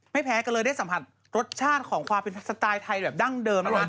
แพ้ก็เลยได้สัมผัสรสชาติของความเป็นสไตล์ไทยแบบดั้งเดิมนะคะ